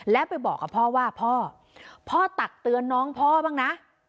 แล้วไปบอกกับพ่อว่าพ่อพ่อตักเตือนน้องพ่อบ้างนะ